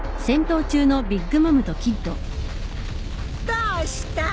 どうした？